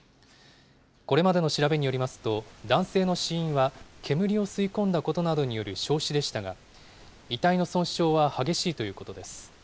これまでの調べによりますと、男性の死因は煙を吸い込んだことなどによる焼死でしたが、遺体の損傷は激しいということです。